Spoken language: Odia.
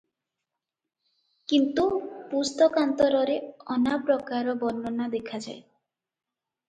କିନ୍ତୁ ପୁସ୍ତକାନ୍ତରରେ ଅନାପ୍ରକାର ବର୍ଣ୍ଣନା ଦେଖାଯାଏ ।